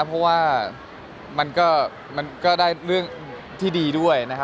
เพราะว่ามันก็จะได้เรื่องที่ดีด้วย